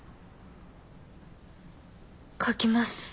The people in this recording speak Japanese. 書きます。